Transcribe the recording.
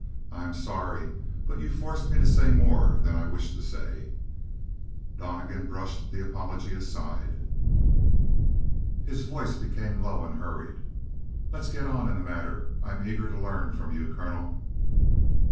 "I am sorry, but you forced me to say more than I wished to say." Donnegan brushed the apology aside. His voice became low and hurried. "Let us get on in the matter. I am eager to learn from you, colonel."